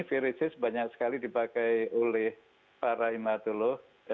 viruses banyak sekali dipakai oleh para hematolog